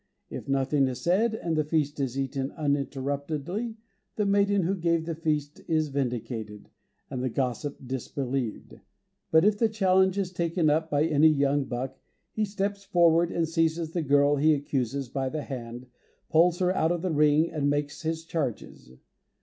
If nothing is said, and the feast is eaten uninterruptedly, the maiden who gave the feast is vindicated, and the gossip disbelieved; but if the challenge is taken up by any young buck, he steps forward and seizes the girl he accuses by the hand, pulls her out of the ring, and makes his charges.